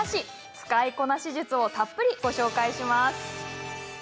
使いこなし術をたっぷりご紹介します。